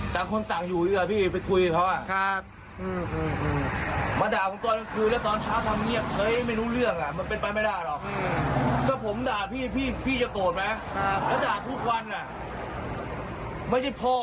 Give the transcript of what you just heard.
ต่างคนต่างอยู่ดีกว่า